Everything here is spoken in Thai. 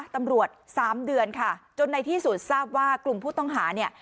ตำรวจสามเดือนค่ะจนในที่สุดทราบว่ากลุ่มผู้ต้องหาเนี่ย